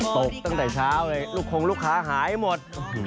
ตกตั้งแต่เช้าเลยลูกคงลูกค้าหายหมด